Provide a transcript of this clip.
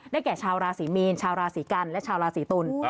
แก่ชาวราศีมีนชาวราศีกันและชาวราศีตุล